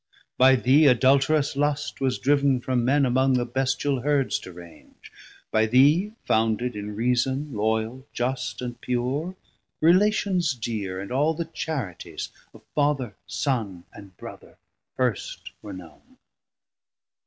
By thee adulterous lust was driv'n from men Among the bestial herds to raunge, by thee Founded in Reason, Loyal, Just, and Pure, Relations dear, and all the Charities Of Father, Son, and Brother first were known.